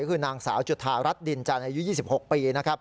คือนางสาวจุธารัฐดินจันทร์อายุ๒๖ปีนะครับ